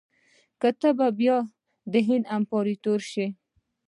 ته به بیا د هند امپراطور سې.